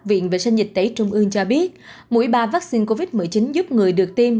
viện vệ sinh dịch tễ trung ương cho biết mỗi ba vaccine covid một mươi chín giúp người được tiêm